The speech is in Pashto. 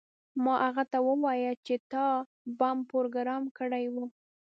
ما هغه ته وویل چې تا بم پروګرام کړی و